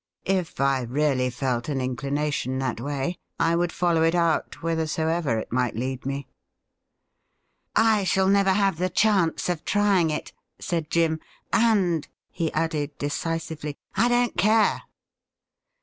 If I really felt an inclination that way, I would follow it out whithersoever it might lead me.' ' I shall never have the chance of trying it,' said Jim ;' and,' he added decisively, ' I don't care.'